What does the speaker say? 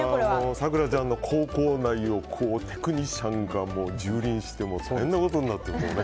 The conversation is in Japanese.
咲楽ちゃんの口腔内をテクニシャンがじゅうりんして大変なことになってるよ。